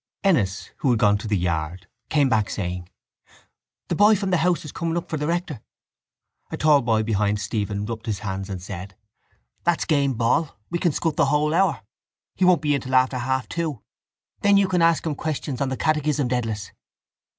Ennis, who had gone to the yard, came back, saying: —The boy from the house is coming up for the rector. A tall boy behind Stephen rubbed his hands and said: —That's game ball. We can scut the whole hour. He won't be in till after half two. Then you can ask him questions on the catechism, Dedalus.